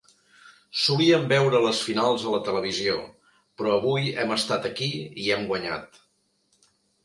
Solíem veure les finals a la televisió, però avui hem estat aquí i hem guanyat.